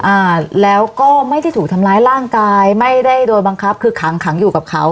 อ่าแล้วก็ไม่ได้ถูกทำร้ายร่างกายไม่ได้โดนบังคับคือขังขังอยู่กับเขา